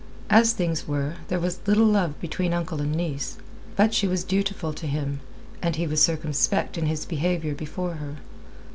As things were, there was little love between uncle and niece. But she was dutiful to him, and he was circumspect in his behaviour before her.